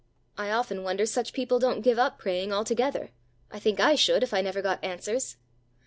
I often wonder such people don't give up praying altogether I think I should if I never got answers.